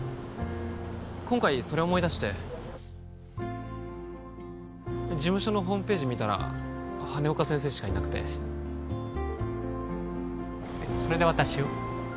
今回それ思い出して事務所のホームページ見たら羽根岡先生しかいなくてえっそれで私を？